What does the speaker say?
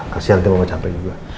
kasihan nanti mama capek juga